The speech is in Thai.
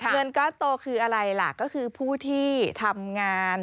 เงินก้อนโตคืออะไรล่ะก็คือผู้ที่ทำงาน